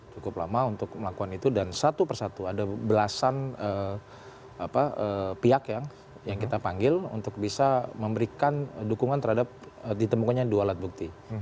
cukup lama untuk melakukan itu dan satu persatu ada belasan pihak yang kita panggil untuk bisa memberikan dukungan terhadap ditemukannya dua alat bukti